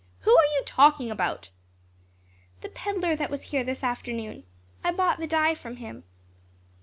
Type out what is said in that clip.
Who are you talking about?" "The peddler that was here this afternoon. I bought the dye from him."